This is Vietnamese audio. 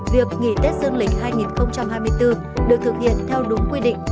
việc nghỉ tết dương lịch hai nghìn hai mươi bốn được thực hiện theo đúng quy định